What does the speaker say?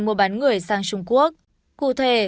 mua bán người sang trung quốc cụ thể